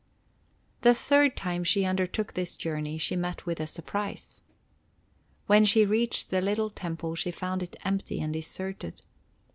The third time she undertook this journey, she met with a surprise. When she reached the little temple, she found it empty and deserted.